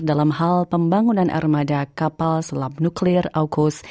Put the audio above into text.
dalam hal pembangunan armada kapal selam nuklir aukus